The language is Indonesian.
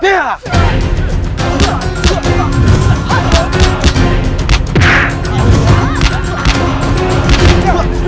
saya akan melakukannya di bandar